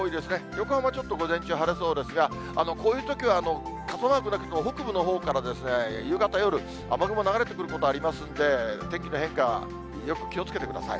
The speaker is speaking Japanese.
横浜、ちょっと午前中晴れそうですが、こういうときは傘マークなくても、北部のほうからですね、夕方、夜、雨雲流れてくることありますんで、天気の変化、よく気をつけてください。